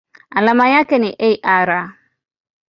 Alama yake ni Ar.